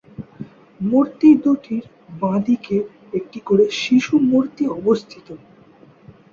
মূর্তি দুটির বাঁ দিকে একটি করে শিশু মূর্তি অবস্থিত।